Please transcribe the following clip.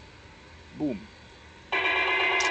Bumm!